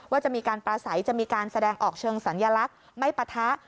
ว่าจะมีการประสัยจะมีการแสดงออกเชิงสัญลักษณ์ไม่ปะทะ